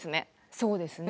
そうですね。